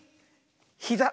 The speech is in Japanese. ひざ。